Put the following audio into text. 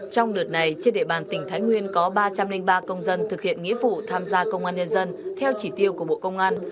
trong đợt này trên địa bàn tỉnh thái nguyên có ba trăm linh ba công dân thực hiện nghĩa vụ tham gia công an nhân dân theo chỉ tiêu của bộ công an